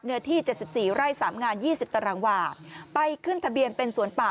เนื้อที่๗๔ไร่๓งาน๒๐ตารางวาไปขึ้นทะเบียนเป็นสวนป่า